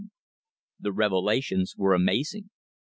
The reve lations were amazing.